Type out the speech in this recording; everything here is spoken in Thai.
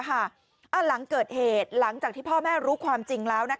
หลังเกิดเหตุหลังจากที่พ่อแม่รู้ความจริงแล้ว